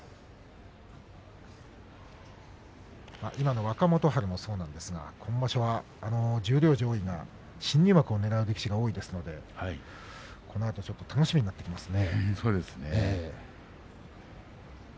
今の若元春もそうなんですが今場所は十両上位には新入幕をねらう力士が多いですのでこのあとちょっとそうですね。